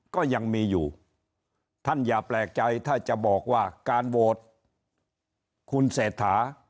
ก็ยังมีอยู่ท่านอย่าแปลกใจถ้าจะบอกว่าการโหวตคุณเศรษฐา